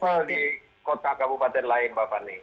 semoga ini role sample di kota kabupaten lain bapak